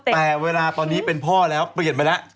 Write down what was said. แต่เวลาตอนนี้เป็นพ่อแล้วเปลี่ยนไปแล้ว